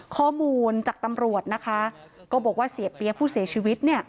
ข้อมูลจากตำรวจนะคะก็บอกว่าเสียเปี๊ยกผู้เสียชีวิตเนี่ย